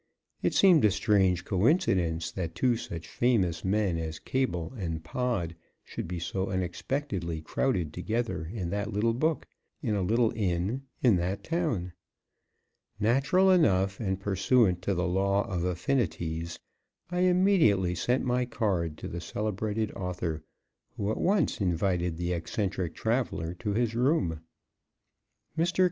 It seemed a strange coincidence that two such famous men as Cable and Pod should be so unexpectedly crowded together in that little book, in a little inn, in that town. Natural enough and pursuant to the Law of Affinities, I immediately sent my card to the celebrated author, who at once invited the eccentric traveler to his room. Mr.